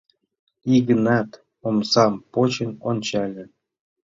Йыгнат омсам почын ончале.